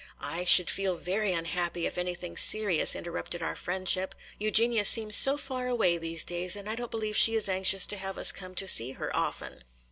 "I should feel very unhappy if anything serious interrupted our friendship. Eugenia seems so far away these days and I don't believe she is anxious to have us come to see her often."